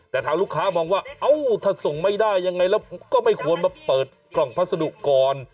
แต่ทางลูกค้ามองว่าเอ้าถ้าส่งไม่ได้ยังไงแล้วก็ไม่ควรมาเปิดกล่องพัสดุก่อน